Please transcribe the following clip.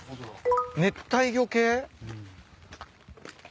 熱帯魚系？